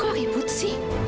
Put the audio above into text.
kok ribut sih